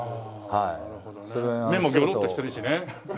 目もギョロッとしてるしね。